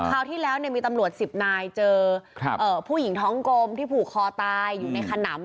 ที่แล้วมีตำรวจ๑๐นายเจอผู้หญิงท้องกลมที่ผูกคอตายอยู่ในขนำ